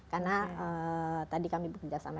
karena tadi kami bekerjasama